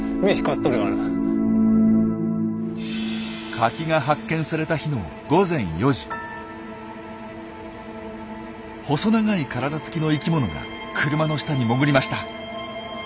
カキが発見された日の細長い体つきの生きものが車の下に潜りました。